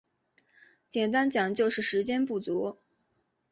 简单讲就是时间不足